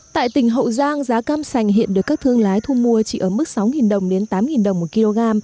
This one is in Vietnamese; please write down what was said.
tại tỉnh hậu giang giá cam sành hiện được các thương lái thu mua chỉ ở mức sáu đồng đến tám đồng một kg